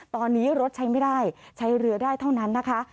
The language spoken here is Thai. ตอนนี้รถใช้ไม่ได้ใช้เรือได้เท่านั้นนะคะ